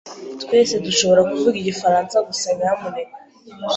Twese dushobora kuvuga igifaransa gusa, nyamuneka?